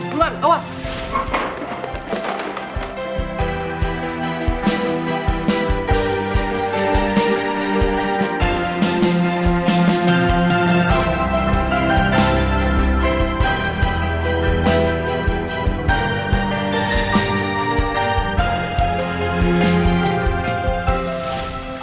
tunggu abis awal